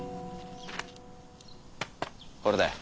これだよ。